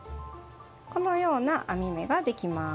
このような編み目ができます。